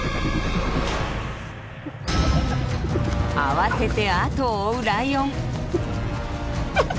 慌ててあとを追うライオン。